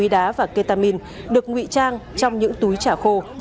đá và ketamin được ngụy trang trong những túi chả khô